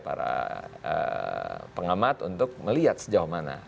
para pengamat untuk melihat sejauh mana